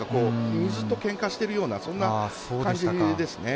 水と、けんかしているようなそんな感じですね。